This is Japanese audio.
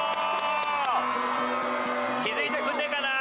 気付いてくれないかな。